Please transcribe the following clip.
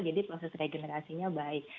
jadi proses regenerasinya baik